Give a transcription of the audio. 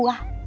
di rumah gua